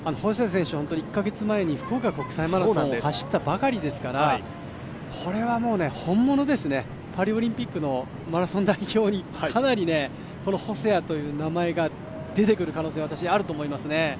細谷選手は１カ月前に福岡国際マラソンを走ったばかりですから、これは本物ですねパリオリンピックのマラソン代表にこの細谷という名前が出てくる可能性があると思いますね。